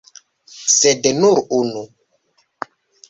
Sed nur unu!